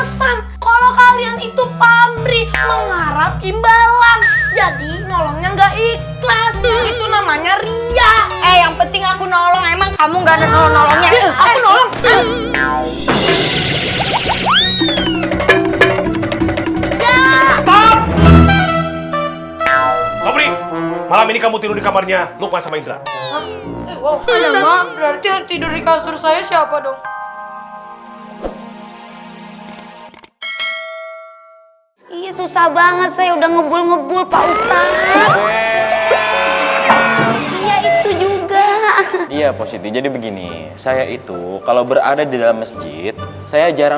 sampai jumpa di video selanjutnya